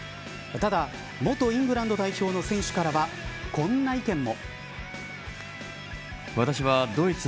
ただ、元イングランド代表の選手からはこんな意見も。